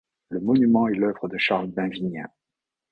Le monument est l'œuvre de Charles Benvignat.